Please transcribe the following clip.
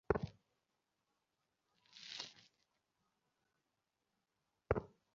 এ তো পুরো ভজঘট অবস্থা।